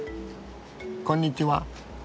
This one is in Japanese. こんにちは。